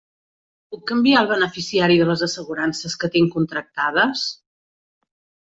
Puc canviar el beneficiari de les assegurances que tinc contractades?